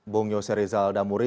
bung yose rizal damuri